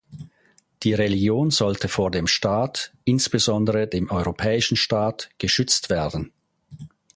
Die Religion sollte vor dem Staat, insbesondere dem europäischen Staat, geschützt werden.